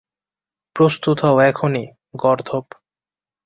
প্রস্তুত হও এক্ষুণি, গর্দভ!